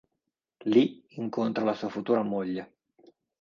Lì incontra la sua futura moglie.